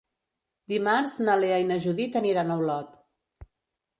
Dimarts na Lea i na Judit aniran a Olot.